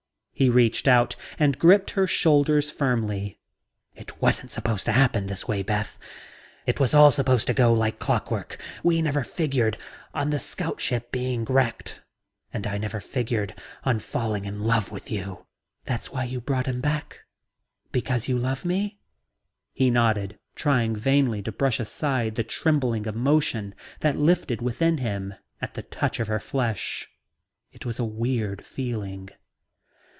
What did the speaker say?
He reached out and gripped her shoulders firmly. "It wasn't supposed to happen this way, Beth. It was all supposed to go like clockwork; we never figured on the scout ship being wrecked, and I never figured on falling in love with you..." "That's why you brought him back? Because you love me?" He nodded, trying vainly to brush aside the trembling emotion that lifted within him at the touch of her flesh. It was a weird feeling.